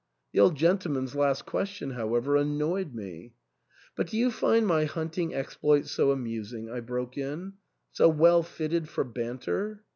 The old gentleman's last question, however, annoyed me. " But do you find my hunting exploit so amusing?" I broke in, — "so well fitted for banter?"